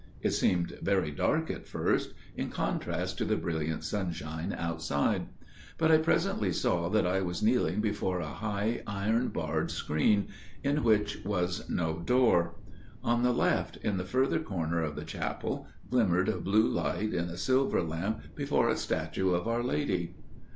It seemed very dark at first, in contrast to the brilliant sunshine outside; but I presently saw that I was kneeling before a high iron barred screen, in which was no door. On the left, in the further corner of the chapel, glimmered a blue light in a silver lamp before a statue of our Lady.